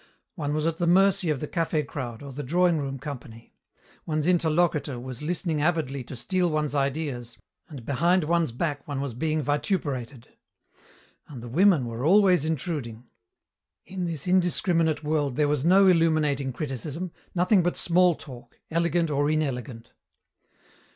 One was at the mercy of the café crowd or the drawing room company. One's interlocutor was listening avidly to steal one's ideas, and behind one's back one was being vituperated. And the women were always intruding. In this indiscriminate world there was no illuminating criticism, nothing but small talk, elegant or inelegant.